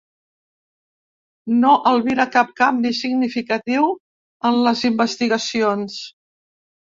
No albira cap canvi significatiu en les investigacions.